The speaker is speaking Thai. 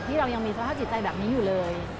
เรายังมีสภาพจิตใจแบบนี้อยู่เลย